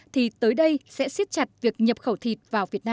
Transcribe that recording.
thì tới đây sẽ xiết chặt việc nhập khẩu thịt vào việt nam